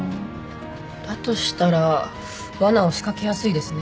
だとしたらわなを仕掛けやすいですね